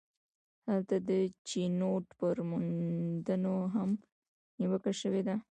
هلته د چینوت پر موندنو هم نیوکه شوې ده.